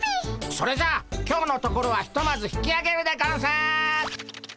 それじゃあ今日のところはひとまず引きあげるでゴンス！